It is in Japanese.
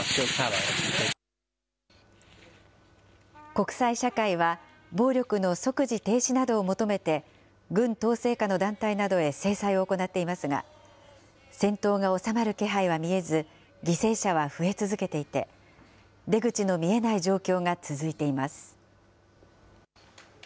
国際社会は、暴力の即時停止などを求めて、軍統制下の団体などへ制裁を行っていますが、戦闘が収まる気配は見えず、犠牲者は増え続けていて、出口の見えない状況が続いています。